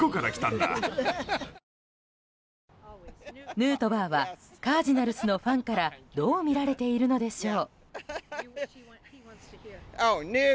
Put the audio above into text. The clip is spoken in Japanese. ヌートバーはカージナルスのファンからどう見られているのでしょう？